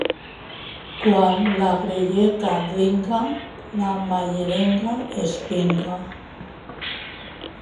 Quan l'agrelleta dringa, la mallerenga espinga.